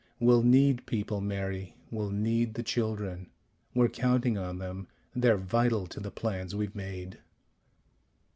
We'll need people, Mary; we'll need the children. We're counting on them. They're vital to the plans we've made."